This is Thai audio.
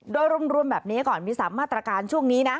โดยรวมแบบนี้ก่อนมี๓มาตรการช่วงนี้นะ